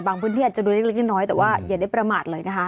พื้นที่อาจจะดูเล็กน้อยแต่ว่าอย่าได้ประมาทเลยนะคะ